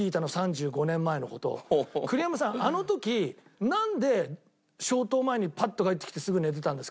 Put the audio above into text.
栗山さんあの時なんで消灯前にパッと帰ってきてすぐ寝てたんですか？